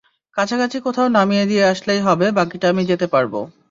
কাছাকাছি কোথাও নামিয়ে দিয়ে আসলেই হবে, বাকিটা আমি যেতে পারবো।